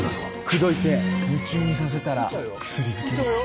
口説いて夢中にさせたら薬漬けにする。